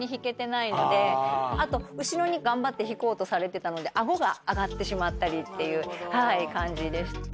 あと後ろに頑張って引こうとされてたので顎が上がってしまったりっていう感じで。